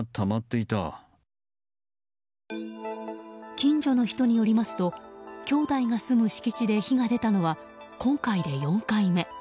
近所の人によりますと兄弟が住む敷地で火が出たのは今回で４回目。